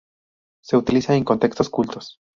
Se utiliza en contextos cultos.